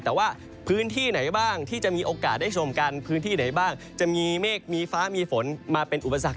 แต่ว่าพื้นที่ไหนบ้างที่จะมีโอกาสได้ชมกันพื้นที่ไหนบ้างจะมีเมฆมีฟ้ามีฝนมาเป็นอุปสรรค